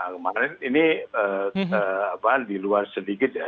kemarin ini di luar sedikit ya